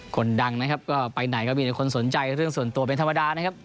คนดังนะครับก็ไปไหนก็มีแต่คนสนใจเรื่องส่วนตัวเป็นธรรมดานะครับ